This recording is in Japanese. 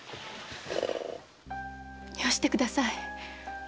よしてください。